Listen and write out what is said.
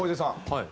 はい。